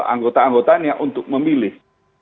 anggota anggotanya untuk memilih